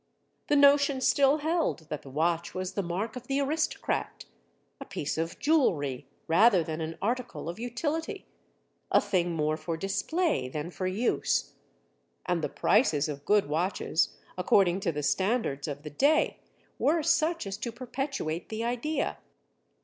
The notion still held that the watch was the mark of the aristocrat—a piece of jewelry rather than an article of utility, a thing more for display than for use. And the prices of good watches, according to the standards of the day, were such as to perpetuate the idea.